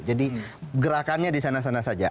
jadi gerakannya di sana sana saja